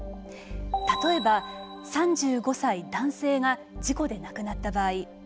例えば、３５歳男性が事故で亡くなった場合。